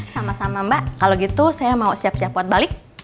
sama sama mbak kalau gitu saya mau siap siap buat balik